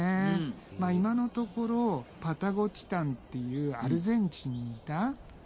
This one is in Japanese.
まあ今のところパタゴティタンっていうアルゼンチンにいたやつが。